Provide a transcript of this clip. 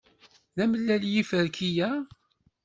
D amellal yiferki-a?